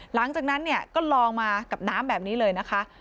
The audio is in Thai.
หลังจากนั้นเนี่ยก็ลองมากับน้ำแบบนี้เลยนะคะ